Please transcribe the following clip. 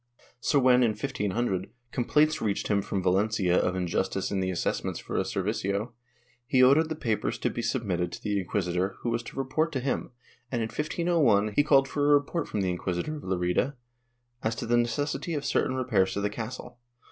So when, in 1500, complaints reached him from Valencia of injustice in the assessments for a servicio, he ordered the papers to be submitted to the inquisitor who was to report to him, and, in 1501, he called for a report from the inquisitor of Lerida as to the necessity of certain repairs to the castle.